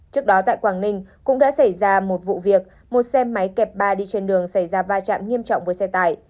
trước đó tại quảng ninh cũng đã xảy ra một vụ việc một xe máy kẹp ba đi trên đường xảy ra va chạm nghiêm trọng với xe tải